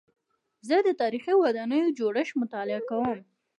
زه د تاریخي ودانیو جوړښت مطالعه کوم.